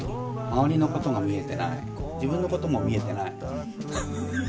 周りのことが見えてない、自分のことも見えてない。